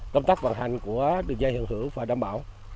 công tác vận hành của đường dây hưởng thưởng và đảm bảo